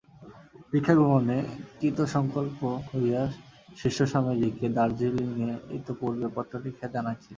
দীক্ষাগ্রহণে কৃতসঙ্কল্প হইয়া শিষ্য স্বামীজীকে দার্জিলিঙে ইতঃপূর্বে পত্র লিখিয়া জানাইয়াছিল।